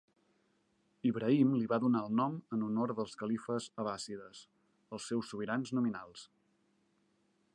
Ibrahim li va donar el nom en honor dels califes abbàssides, els seus sobirans nominals.